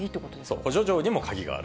補助錠にも鍵がある。